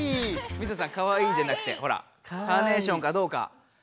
水田さん「かわいい」じゃなくてほらカーネーションかどうか。